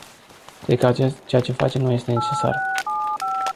Cred că ceea ce facem nu este necesar.